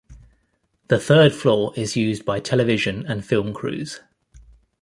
The third floor is used by television and film crews.